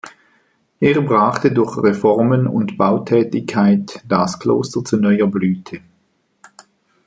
Er brachte durch Reformen und Bautätigkeit das Kloster zu neuer Blüte.